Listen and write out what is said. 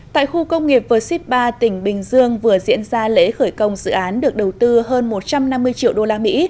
tại khu công nghiệp versipa tỉnh bình dương vừa diễn ra lễ khởi công dự án được đầu tư hơn một trăm năm mươi triệu usd